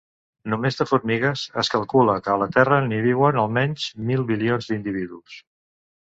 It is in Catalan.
Només de formigues, es calcula que a la Terra n'hi viuen almenys mil bilions d'individus.